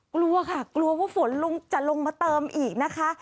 กลัวค่ะกลัวว่าฝนลุงจะลงมาเติมอีกนะคะ